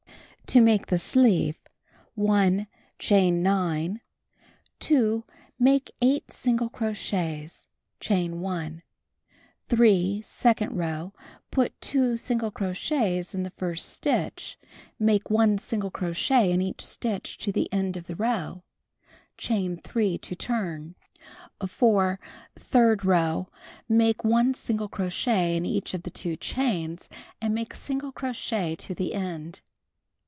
To Make the Sleeve: 1. Chain 9. 2. Make 8 single crochets. Chain 1. 3. Second row: Put 2 single crochets m the first stitch. Make 1 single crochet in each stitch to the end of the row. Chain 3 to turn. 4. Third row: Make 1 single crochet in each of the 2 chains, and make single crochet to the end.